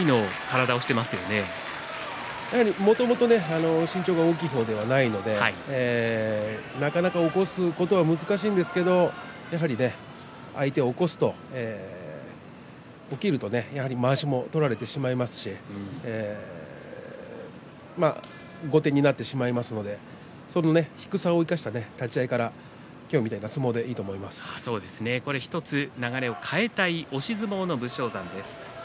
もともと身長が大きい方ではないのでなかなか残すことは難しいんですけれども相手が起きるとまわしを取られてしまいますし後手に回ってしまいますので低さを生かして立ち合いから今日みたいな相撲でいいと１つ流れを変えたい押し相撲の武将山です。